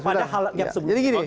padahal hal hal seperti itu